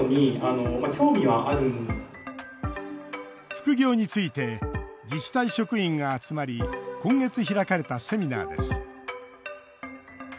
副業について自治体職員が集まり今月開かれたセミナーです